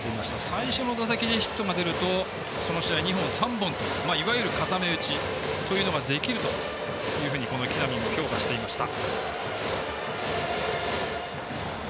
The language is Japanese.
最初の打席でヒットが出るとその試合２本、３本といわゆる固め打ちというのができると木浪を評価していました。